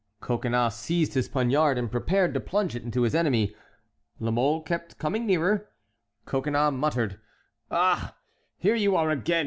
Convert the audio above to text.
Coconnas seized his poniard and prepared to plunge it into his enemy. La Mole kept coming nearer. Coconnas muttered: "Ah! here you are again!